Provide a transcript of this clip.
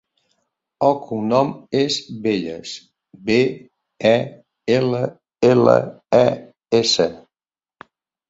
El cognom és Belles: be, e, ela, ela, e, essa.